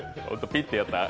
ピッとやったら。